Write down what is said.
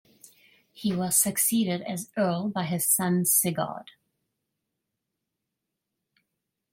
He was succeeded as earl by his son Sigurd.